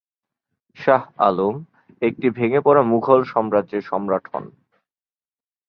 শাহ আলম একটি ভেঙ্গে পড়া মুঘল সাম্রাজ্যের সম্রাট হন।